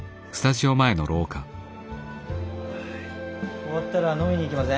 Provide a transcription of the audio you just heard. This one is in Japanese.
終わったら飲みに行きません？